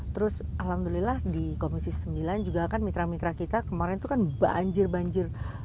terus alhamdulillah di komisi sembilan juga kan mitra mitra kita kemarin itu kan banjir banjir